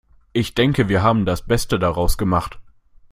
Ich denke, wir haben das Beste daraus gemacht.